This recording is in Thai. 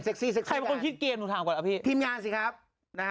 เซ็กซี่เซ็กซี่ใครเป็นคนคิดเกมหนูถามก่อนอ่ะพี่ทีมงานสิครับนะฮะ